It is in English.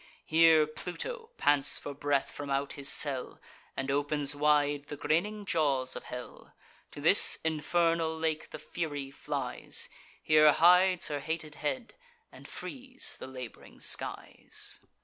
Here Pluto pants for breath from out his cell, And opens wide the grinning jaws of hell. To this infernal lake the Fury flies; Here hides her hated head, and frees the lab'ring skies.